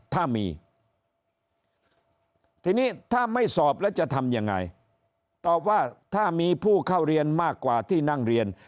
ถ้ามีทีนี้ถ้าไม่สอบแล้วจะทำยังไงตอบว่าถ้ามีผู้เข้าเรียนมากกว่าที่นั่งเรียน